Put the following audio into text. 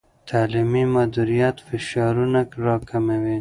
تعلیمي مدیریت فشارونه راکموي.